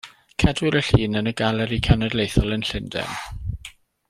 Cedwir y llun yn y Galeri Cenedlaethol yn Llundain.